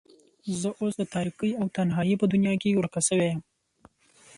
زه اوس د تاريکۍ او تنهايۍ په دنيا کې ورکه شوې يم.